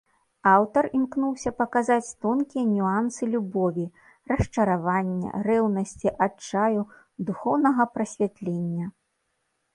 Аўтар імкнуўся паказаць тонкія нюансы любові, расчаравання, рэўнасці, адчаю, духоўнага прасвятлення.